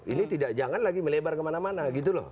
ini tidak jangan lagi melebar kemana mana